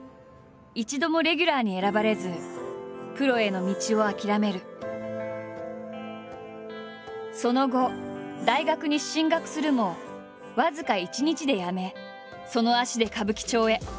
一度もレギュラーに選ばれずその後大学に進学するも僅か一日でやめその足で歌舞伎町へ。